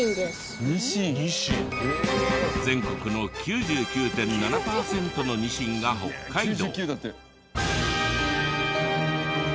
全国の９９．７パーセントのニシンが北海道。